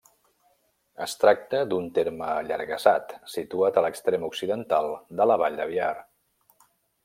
Es tracta d'un terme allargassat situat a l'extrem occidental de la Vall de Biar.